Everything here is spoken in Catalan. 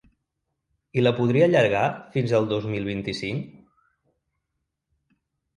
I la podria allargar fins el dos mil vint-i-cinc?